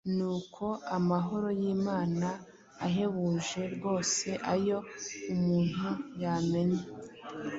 Nuko amahoro y’Imana, ahebuje rwose ayo umuntu yamenya,